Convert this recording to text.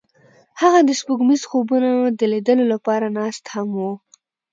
هغوی د سپوږمیز خوبونو د لیدلو لپاره ناست هم وو.